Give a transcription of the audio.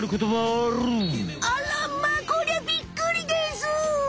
あこりゃびっくりです。